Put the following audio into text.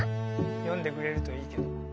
よんでくれるといいけど。